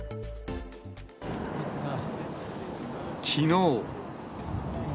きのう。